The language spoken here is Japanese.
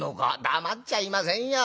「黙っちゃいませんよ。